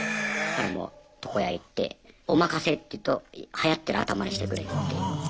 床屋行っておまかせって言うとはやってる頭にしてくれるんで。